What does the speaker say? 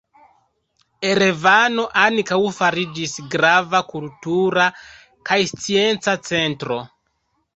Erevano ankaŭ fariĝis grava kultura kaj scienca centro.